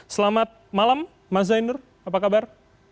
selamat malam mas zainur apa kabar